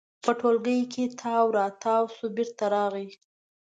په ټولګي کې تاو راتاو شو، بېرته راغی.